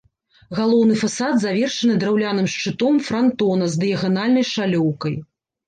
Галоўны фасад завершаны драўляным шчытом франтона з дыяганальнай шалёўкай.